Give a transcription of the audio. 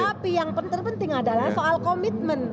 tapi yang terpenting adalah soal komitmen